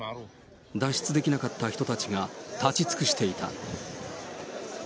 脱出できなかった人たちが立ち尽くしていた。